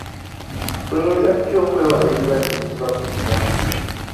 Tuyinza tutya okwewala endwadde eziva ku bugyama?